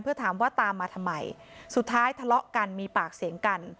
เพื่อถามว่าตามมาทำไมสุดท้ายทะเลาะกันมีปากเสียงกัน